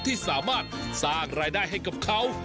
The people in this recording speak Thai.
ที่สามารถสร้างรายได้ให้กับเขา